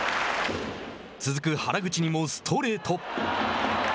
続く原口にもストレート。